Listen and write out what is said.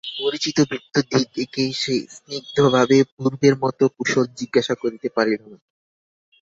পরিচিত ভৃত্যদিগকে সে স্নিগ্ধভাবে পূর্বের মতো কুশল জিজ্ঞাসা করিতে পারিল না।